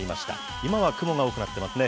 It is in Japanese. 今は雲が多くなってますね。